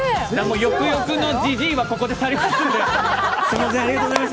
よくよくのじじいは去りますので。